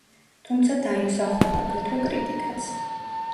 თუმცა დაიმსახურა, აგრეთვე კრიტიკაც.